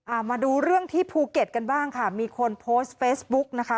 มาดูเรื่องที่ภูเก็ตกันบ้างค่ะมีคนโพสต์เฟซบุ๊กนะคะ